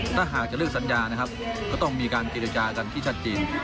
ถ้าหากจะเลือกสัญญานะครับก็ต้องมีการเจรจากันที่ชัดเจน